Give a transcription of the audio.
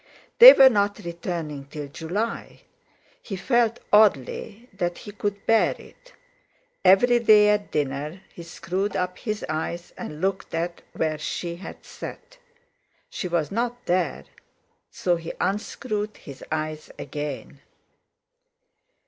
They were not returning till July; he felt, oddly, that he could bear it. Every day at dinner he screwed up his eyes and looked at where she had sat. She was not there, so he unscrewed his eyes again.